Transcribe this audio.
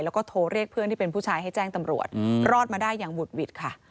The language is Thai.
แล้วก็โทรเรียกเพื่อนที่เป็นผู้ชายให้แจ้งตำรวจรอดมาได้อย่างบุดหวิดค่ะ